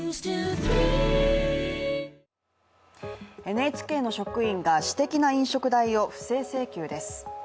ＮＨＫの職員が私的な飲食代を不正請求です。